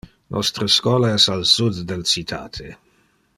Nostre schola es al sud del citate.